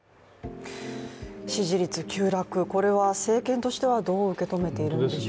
支持率急落、これは政権としてはどう受け止めているんでしょうか？